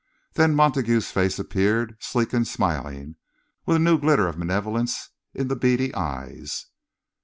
Then Montague's face appeared, sleek and smiling, with a new glitter of malevolence in the beady eyes.